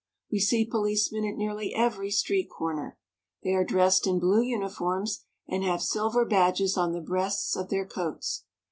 We see policemen at nearly every street corner. They are dressed in blue uniforms, and have silver badges on the breasts of their coats.